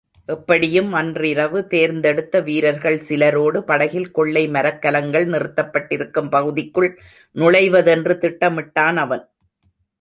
எப்படியும் அன்றிரவு தேர்ந்தெடுத்த வீரர்கள் சிலரோடு படகில் கொள்ளை மரக்கலங்கள் நிறுத்தப்பட்டிருக்கும் பகுதிக்குள் நுழைவதென்று திட்டமிட்டான் அவன்.